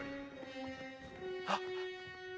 あっ。